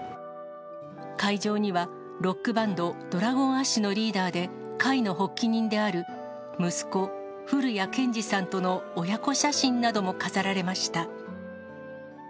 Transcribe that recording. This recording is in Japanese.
会場には、ロックバンド、ドラゴンアッシュのメンバーで会の発起人である息子、降谷建志さんとの親子写真なども飾られました。